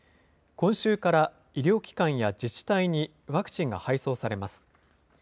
今週から医療機関や自治体にワクチンが配送されます。